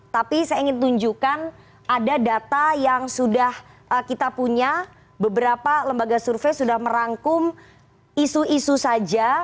tapi saya ingin tunjukkan ada data yang sudah kita punya beberapa lembaga survei sudah merangkum isu isu saja